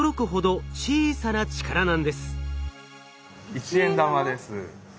１円玉です。